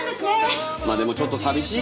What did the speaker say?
まあでもちょっと寂しい気もするな。